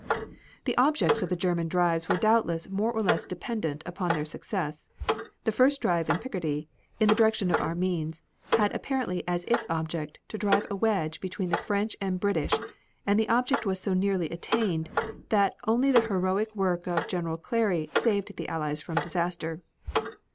The objects of the German drives were doubtless more or less dependent upon their success. The first drive in Picardy, in the direction of Amiens had apparently as its object to drive a wedge between the French and British and the object was so nearly attained that only the heroic work of General Carey saved the Allies from disaster.